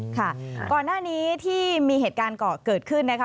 ค่ะก่อนหน้านี้ที่มีเหตุการณ์เกาะเกิดขึ้นนะคะ